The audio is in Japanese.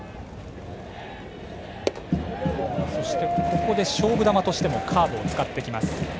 そしてここで勝負球としてもカーブを使ってきます、山下。